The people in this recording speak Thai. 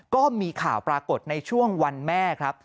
ก็มีข่าวปรากฏในช่วงวันแม่ครับ